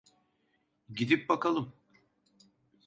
Gidip bakalım.